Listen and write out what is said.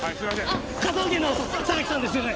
科捜研の榊さんですよね？